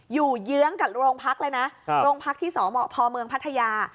เยื้องกับโรงพักเลยนะโรงพักที่สพเมืองพัทยา